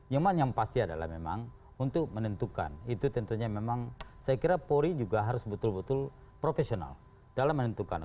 cuma yang pasti adalah memang untuk menentukan itu tentunya memang saya kira polri juga harus betul betul profesional dalam menentukan